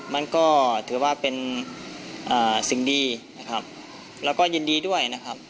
มันก็ถือว่าเป็นสิ่งดีนะครับแล้วก็ยินดีด้วยนะครับ